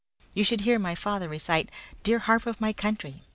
You should hear my father recite 'Dear Harp of My Country.'